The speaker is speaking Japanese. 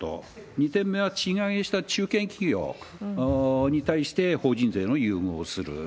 ２点目は賃上げした中堅企業に対して法人税の優遇をする。